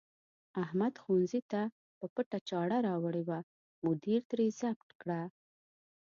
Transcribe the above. احمد ښوونځي ته په پټه چاړه راوړې وه، مدیر ترې ضبط کړه.